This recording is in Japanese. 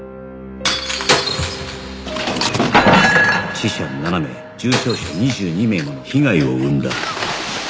死者７名重症者２２名もの被害を生んだ